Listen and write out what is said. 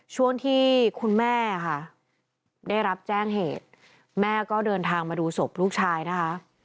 ช่วงที่คุณแม่ค่ะได้รับแจ้งเหตุแม่ก็เดินทางมาดูศพลูกชายนะคะ